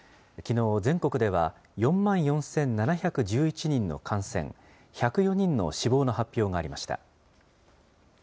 きのう、全国では４万４７１１人の感染、１０４人の死亡の発表がありました。